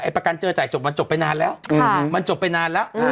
ประกันเจอจ่ายจบมันจบไปนานแล้วมันจบไปนานแล้ว